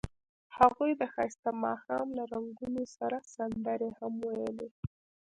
هغوی د ښایسته ماښام له رنګونو سره سندرې هم ویلې.